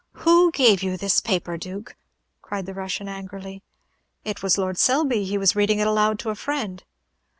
"Who gave you this paper, Duke?" cried the Russian, angrily. "It was Lord Selby. He was reading it aloud to a friend."